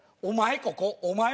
お前ここ。